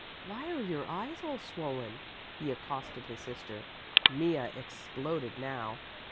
"Why are your eyes all swollen?" he accosted his sister. Mea exploded now.